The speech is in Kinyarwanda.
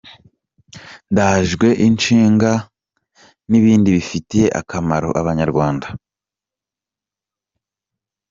Ndajwe ishinga n’ibindi bifitiye akamaro abanyarwanda’’.